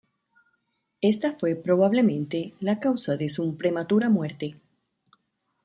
Esta fue probablemente la causa de su prematura muerte.